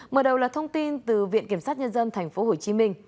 mở đầu là thông tin từ viện kiểm sát nhân dân tp hcm